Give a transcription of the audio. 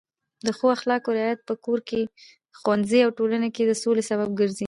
د ښو اخلاقو رعایت په کور، ښوونځي او ټولنه کې د سولې سبب ګرځي.